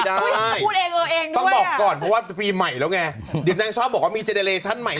อยากลดอย่างสิงหลักเหมือนเดิม